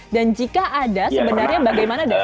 dan jika ada sebenarnya bagaimana sikap fifa